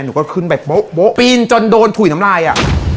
หนูก็ขึ้นไปโป๊ะปีนจนโดนถุยน้ำลายอ่ะ